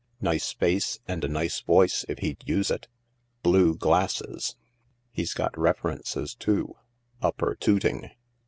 Nice face, and a nice voice if he'd use it. Blue glasses. He's got references too. Upper Tooting.